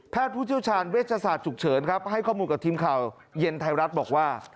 ผู้เชี่ยวชาญเวชศาสตร์ฉุกเฉินครับให้ข้อมูลกับทีมข่าวเย็นไทยรัฐบอกว่า